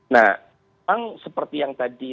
nah memang seperti yang tadi